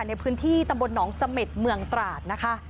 ในพื้นที่ตำบลหนองเสม็ดเมืองตราดนะคะ